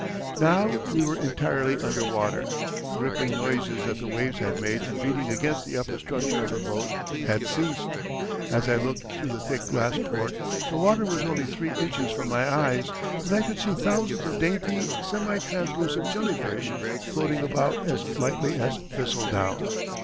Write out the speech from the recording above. Now we were entirely under water. The rippling noises that the waves had made in beating against the upper structure of the boat had ceased. As I looked through the thick glass port, the water was only three inches from my eyes, and I could see thousands of dainty, semi translucent jellyfish floating about as lightly as thistledown.